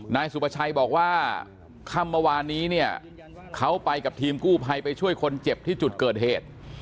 นายสุประชัยบอกว่าค่ำเมื่อวานนี้เนี่ยเขาไปกับทีมกู้ภัยไปช่วยคนเจ็บที่จุดเกิดเหตุ